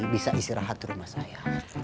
bisa istirahat di rumah saya